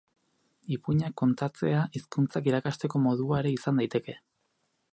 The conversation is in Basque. Ipuinak kontatzea hizkuntzak irakasteko modua ere izan daiteke.